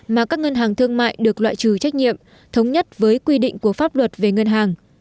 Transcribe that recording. mà các ngân hàng thương mại được loại trừ trách nhiệm thống nhất với quy định của pháp luật về ngân hàng